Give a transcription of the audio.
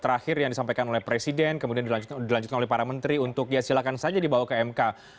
terakhir yang disampaikan oleh presiden kemudian dilanjutkan oleh para menteri untuk ya silakan saja dibawa ke mk